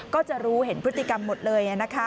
ก็จะรู้เห็นพฤติกรรมหมดเลย